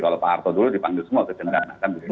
kalau pak arto dulu dipanggil semua kejendana kan